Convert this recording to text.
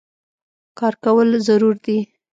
کار کول ضرور دي